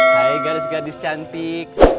hai garis garis cantik